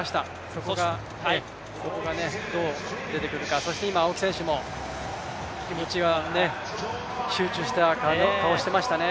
そこがどう出てくるか、そして今、青木選手も気持ちは集中した顔をしていましたね。